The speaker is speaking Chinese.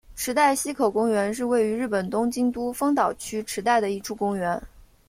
池袋西口公园是位于日本东京都丰岛区池袋的一处公园。